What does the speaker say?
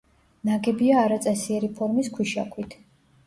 ნაგებია არაწესიერი ფორმის ქვიშაქვით.